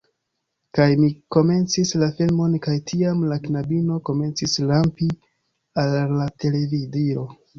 Kaj mi komencis la filmon, kaj tiam, la knabino komencis rampi al la televidilo.